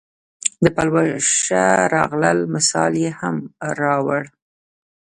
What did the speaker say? د پلوشه راغلل مثال یې هم راووړ.